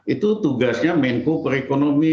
itu tugasnya main kukur ekonomi